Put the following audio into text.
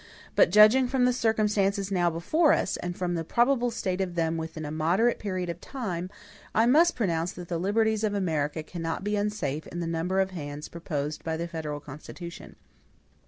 But judging from the circumstances now before us, and from the probable state of them within a moderate period of time, I must pronounce that the liberties of America cannot be unsafe in the number of hands proposed by the federal Constitution.